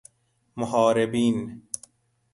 محاربین